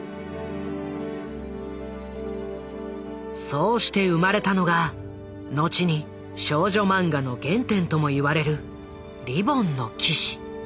そうして生まれたのが後に少女マンガの原点ともいわれる「リボンの騎士」。